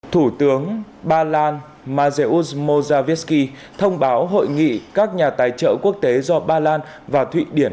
thủ tướng ba lan maréo mozavsky thông báo hội nghị các nhà tài trợ quốc tế do ba lan và thụy điển